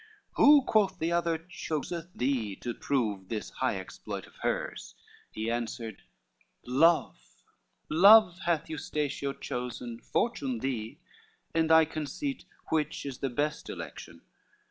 "Who," quoth the other, "choseth thee to prove This high exploit of hers?" He answered, "Love." LXXXII "Love hath Eustatio chosen, Fortune thee, In thy conceit which is the best election?"